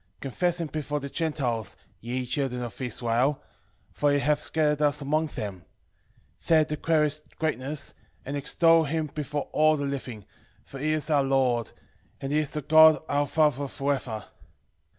13:3 Confess him before the Gentiles, ye children of Israel: for he hath scattered us among them. 13:4 There declare his greatness, and extol him before all the living: for he is our Lord, and he is the God our Father for ever.